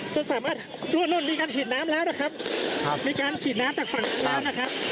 จนสามารถรั่วล่นมีการฉีดน้ำแล้วนะครับครับมีการฉีดน้ำจากฝั่งทางน้ำนะครับ